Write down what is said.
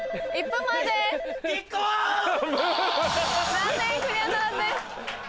残念クリアならずです。